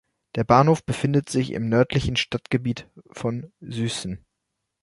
Der Bahnhof befindet sich im nördlichen Stadtgebiet von Süßen.